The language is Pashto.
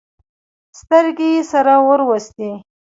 سترګې يې سره ور وستې.